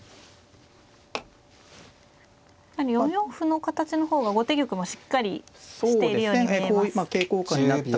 ４四歩の形の方が後手玉もしっかりしているように見えます。